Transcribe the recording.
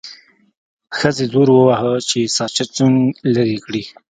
ښځې زور وواهه چې ساسچن لرې کړي.